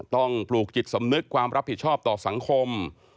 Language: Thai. ปลูกจิตสำนึกความรับผิดชอบต่อสังคม